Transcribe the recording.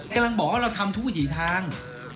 กำลังบอกแล้วเราทำทุกทีทาง